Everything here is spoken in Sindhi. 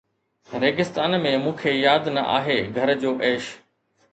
ريگستان ۾، مون کي ياد نه آهي گهر جو عيش